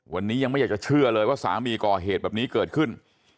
วันนี้ยังไม่อยากจะเชื่อเลยว่าสามีก่อเหตุแบบนี้เกิดขึ้น